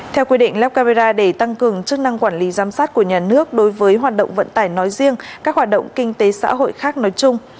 theo quy định lắp camera để tăng cường chức năng quản lý giám sát của nhà nước đối với hoạt động vận tải nói riêng các hoạt động kinh tế xã hội khác nói chung